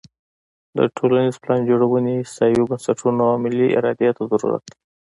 د ټولنیزې پلانجوړونې احصایوي بنسټونو او ملي ارادې ته ضرورت دی.